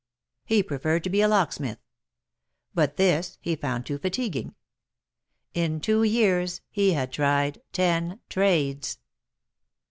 He preferred to be a locksmith ; but this he found too fatiguing. In two years he had tried ten trades.